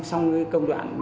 xong cái công đoạn